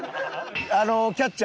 あのキャッチャー？